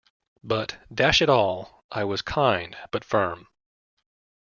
"But, dash it all" - I was kind, but firm.